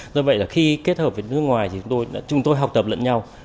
do vậy là khi kết hợp với nước ngoài thì chúng tôi học tập lẫn nhau